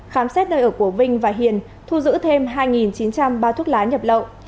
khám xét nơi ở của vinh và hiền thu giữ thêm hai chín trăm linh bao thuốc lá nhập lậu